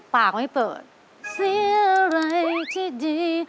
ปากไม่เปิด